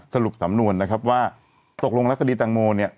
สรุปสำนวนนะครับว่าตกลงแล้วคดีแตงโมเนี่ย